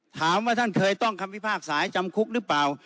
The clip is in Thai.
ถามว่าท่านเคยต้องคัมภิภาคสายจำคุกหรือเปล่า